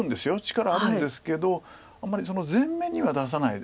力あるんですけどあんまり前面には出さないです。